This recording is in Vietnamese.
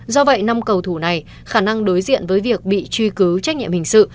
do vậy năm cầu thủ này khả năng đối diện với việc bị truy cứu trách nhiệm hình sự